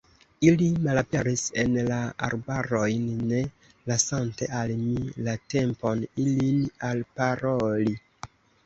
Ili malaperis en la arbarojn, ne lasante al mi la tempon, ilin alparoli.